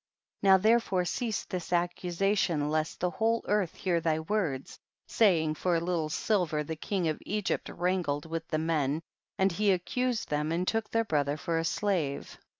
16. Now therefore cease this ac cusation lest the whole earth hear thy words, saying, for a little silver the king of Egy[)t wrangled with the men, and he accused them and took their brother for a slave.